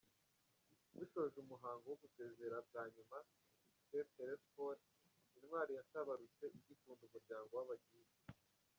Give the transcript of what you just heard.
“Dushoje umuhango wo gusezera bwa nyuma Sr Télésphore, intwari yatabarutse igikunda umuryango w’Abagide.